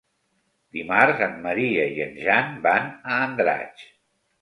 Dimarts en Maria i en Jan van a Andratx.